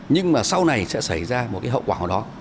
nhưng mà sau này sẽ xảy ra một cái hậu quả của nó